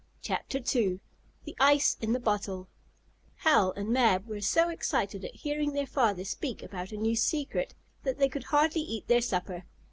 CHAPTER II THE ICE IN THE BOTTLE Hal and Mab were so excited at hearing their father speak about a new secret, that they could hardly eat their supper.